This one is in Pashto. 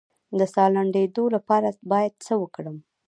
د ساه د لنډیدو لپاره باید څه وکړم؟